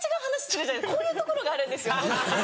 こういうところがあるんですよ。